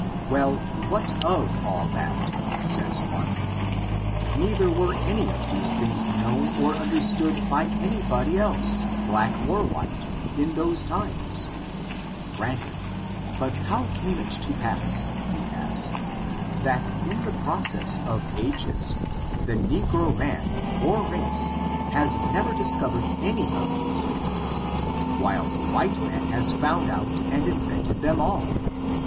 Well, what of all that, says one ; neither were any of these things known or understood by any body else, black or white, in those times. Granted ; but how came it to pass, we ask, that, in the process of ages, the negro man, or race, has never discovered any of these things, while the white man has found out and invented them all